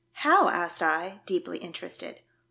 " How?" asked I, deeply Interested.